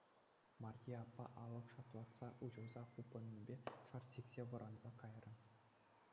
Марье аппа алӑк шалтлатса уҫӑлса хупӑннипе шарт сиксе вӑранса кайрӗ.